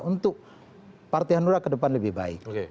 untuk partai hanura ke depan lebih baik